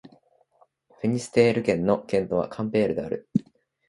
フィニステール県の県都はカンペールである